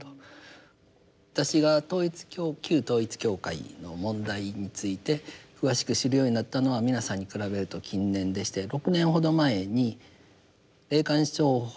私が旧統一教会の問題について詳しく知るようになったのは皆さんに比べると近年でして６年ほど前に霊感商法対策